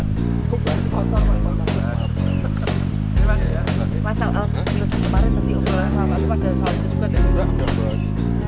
tapi masih saling kesukaan